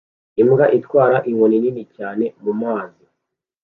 Imbwa itwara inkoni nini cyane mumazi